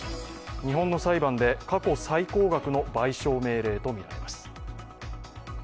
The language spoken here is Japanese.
日本の裁判で過去最高額の賠償命令となっています。